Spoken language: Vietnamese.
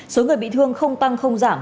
số người bị thương không tăng không giảm